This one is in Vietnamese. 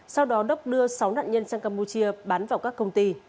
sau đó đốc đưa sáu nạn nhân sang campuchia bán vào các công ty